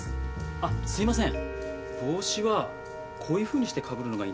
あっすいません。